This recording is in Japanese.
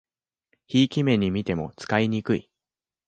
ひいき目にみても使いにくい